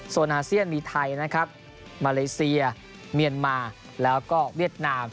ส่วนอาเซียนมีไทยนะครับมาเลเซียเมียนมาแล้วก็เวียดนาม